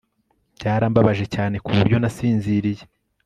Byarambabaje cyane ku buryo nasinziriye